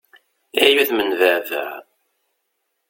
Ay udem n baɛbaɛ!